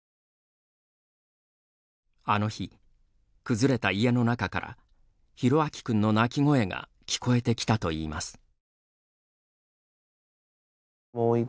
あの日、崩れた家の中から宏亮君の泣き声が聞こえてきたといいます。